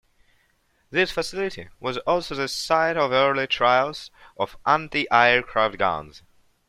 This facility was also the site of early trials of anti-aircraft guns.